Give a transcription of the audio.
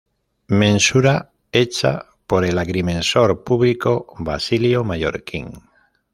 Mensura hecha por el Agrimensor Público Basilio Mallorquín.